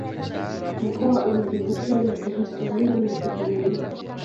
mkoa una vivutio vya kihistoria na kitamaduni